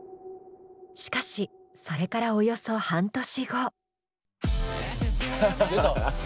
しかしそれからおよそ半年後。